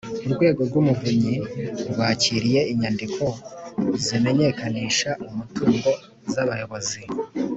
Urwego rw’Umuvunyi rwakiriye inyandiko z’imenyekanishamutungo z’abayobozi